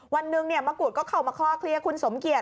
วันหนึ่งมะกุดก็เข้ามาคลอเคลียร์คุณสมเกียจ